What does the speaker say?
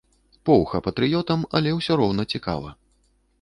Поўха патрыётам, але ўсё роўна цікава.